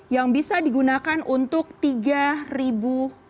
yang bisa digunakan untuk tiga ribu